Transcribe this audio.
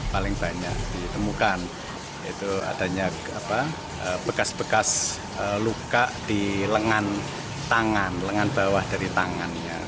paling banyak ditemukan itu adanya bekas bekas luka di lengan tangan lengan bawah dari tangannya